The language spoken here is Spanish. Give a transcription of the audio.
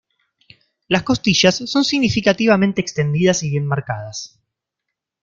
Las costillas son significativamente extendidas y bien marcadas.